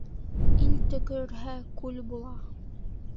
Ил төкөрһә күл була.